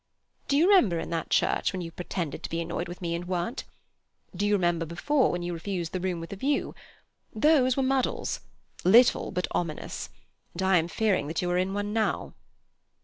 Do you remember in that church, when you pretended to be annoyed with me and weren't? Do you remember before, when you refused the room with the view? Those were muddles—little, but ominous—and I am fearing that you are in one now."